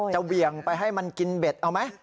เบี่ยงไปให้มันกินเบ็ดเอาไหม